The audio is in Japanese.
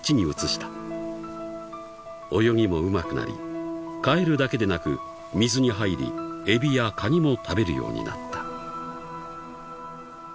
［泳ぎもうまくなりカエルだけでなく水に入りエビやカニも食べるようになった］